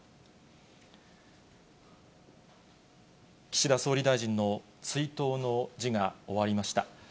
岸田総理大臣の追悼の辞が終わりました。